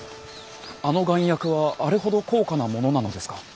あの丸薬はあれほど高価なものなのですか？